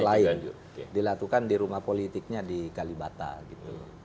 lain dilakukan di rumah politiknya di kalibata gitu nah itu aja jadi memang betul itu sengaja saya